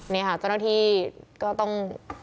นี่ค่ะเจ้าหน้าที่ก็ต้อง